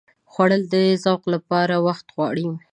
خوړل د ذوق لپاره وخت غواړي